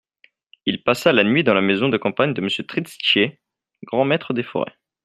Il passa la nuit dans la maison de campagne de Monsieur Tritschier, grand-maître des forêts.